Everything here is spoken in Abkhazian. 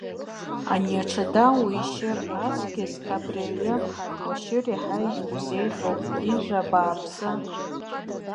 Ани аҽада уишьыр аҵкьыс, абри аҩы уашьыр иаҳа иузеиӷьуп, ижә абааԥсы!